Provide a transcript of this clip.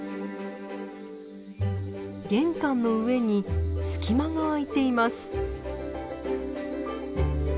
玄関の上に隙間が空いています。